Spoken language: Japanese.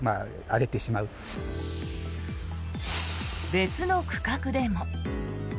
別の区画でも。